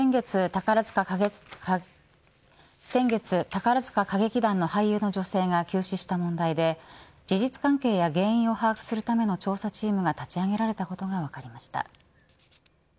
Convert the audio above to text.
先月、宝塚歌劇団の俳優の女性が急死した問題で事実関係や原因を把握するための調査チームが立ち上げられたことが分かりました。